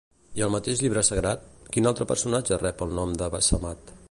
I al mateix llibre sagrat, quin altre personatge rep el nom de Bassemat?